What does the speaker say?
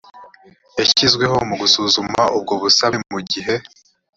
yashyizweho mu gusuzuma ubwo busabe mu gihe